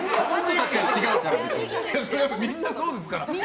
みんなそうですから。